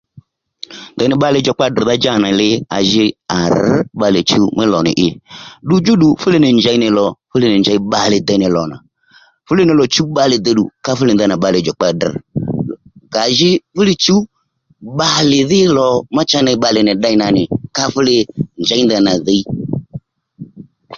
Ndèy nì bbalè djùkpa drr̀dha-dja nà nì li à ji à rř bbalè chuw mí lò à nì i ddu djúddù fúli nì njěy nì lò fúli nì njěy bbalè děy nì lò nà fúli nì lò chǔw bbalè dèddù ká fúli nì ndanà bbalè djùkpa drř ka ji fúli chǔw bbalè dhí lò ma cha bbalè nì ddey nà nì ka fúli njěy ndanà dhǐy